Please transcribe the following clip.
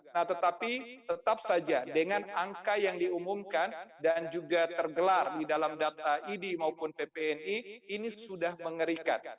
nah tetapi tetap saja dengan angka yang diumumkan dan juga tergelar di dalam data idi maupun ppni ini sudah mengerikan